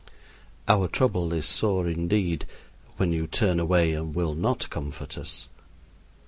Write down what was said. Our trouble is sore indeed when you turn away and will not comfort us.